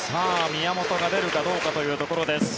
宮本が出るかどうかというところです。